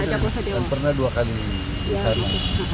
dan pernah dua kali di sana